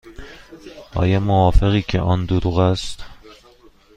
آیا موافقی که آن دروغ است؟